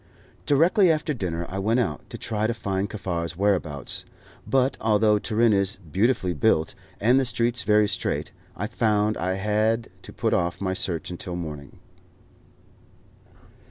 Directly after dinner I went out, to try to find Kaffar's whereabouts; but although Turin is beautifully built, and the streets very straight, I found I had to put off my search until the morning.